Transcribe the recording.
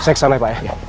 saya kesana ya pak ya